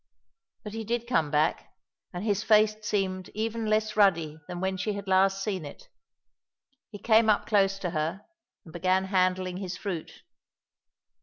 But he did come back, and his face seemed even less ruddy than when she had last seen it. He came up close to her, and began handling his fruit.